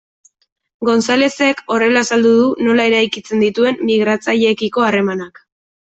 Gonzalezek horrela azaldu du nola eraikitzen dituen migratzaileekiko harremanak.